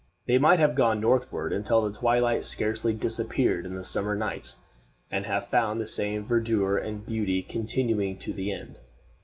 They might have gone northward until the twilight scarcely disappeared in the summer nights, and have found the same verdure and beauty continuing to the end.